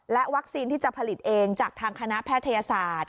วัคซีนที่จะผลิตเองจากทางคณะแพทยศาสตร์